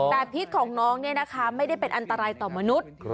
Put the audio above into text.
แต่พิษของน้องเนี่ยนะคะไม่ได้เป็นอันตรายต่อมนุษย์